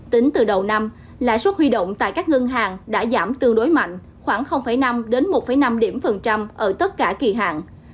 tính từ đầu năm lãi suất huy động tại các ngân hàng đã giảm tương đối mạnh khoảng năm một năm điểm phần trăm ở tất cả kỳ hạn